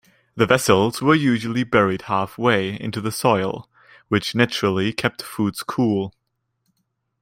The vessels were usually buried half-way into the soil which naturally kept foods cool.